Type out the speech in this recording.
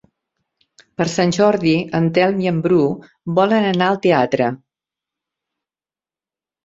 Per Sant Jordi en Telm i en Bru volen anar al teatre.